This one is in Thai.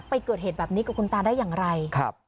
เกิดเหตุแบบนี้กับคุณตาได้อย่างไร